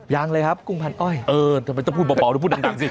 ยังเลยครับกุ้งพันอ้อยเออทำไมต้องพูดเบาดูพูดดังสิ